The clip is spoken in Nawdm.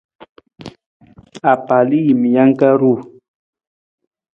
Apalajiimijang ka ru.